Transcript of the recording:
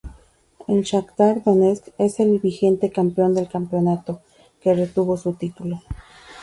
El Shakhtar Donetsk es el vigente campeón del campeonato, que retuvo su título.